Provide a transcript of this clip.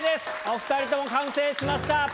お２人とも完成しました。